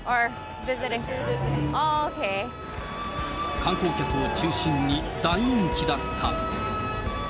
観光客を中心に大人気だった。